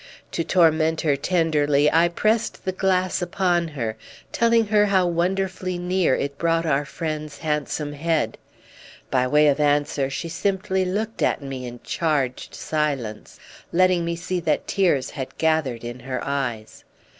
To torment her tenderly I pressed the glass upon her, telling her how wonderfully near it brought our friend's handsome head. By way of answer she simply looked at me in charged silence, letting me see that tears had gathered in her eyes.